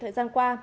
thời gian qua